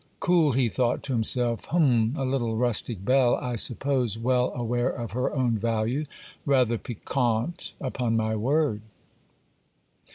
'Cool,' he thought to himself. 'Hum—a little rustic belle, I suppose, well aware of her own value; rather piquante, upon my word.